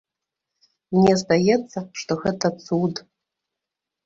Мне здаецца, што гэта цуд.